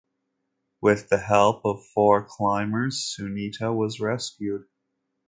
With the help of four climbers Sunita was rescued.